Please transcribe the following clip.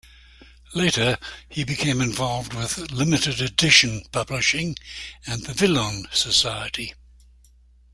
Later he became involved with limited edition publishing, and the Villon Society.